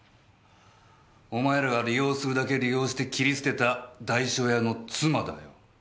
お前らが利用するだけ利用して切り捨てた代書屋の妻だよ。